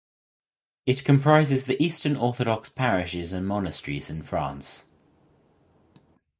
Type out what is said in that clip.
It comprises the Eastern Orthodox parishes and monasteries in France.